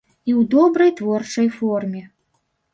І ў добрай творчай форме.